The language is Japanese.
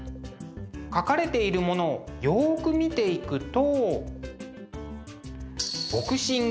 描かれているものをよく見ていくと。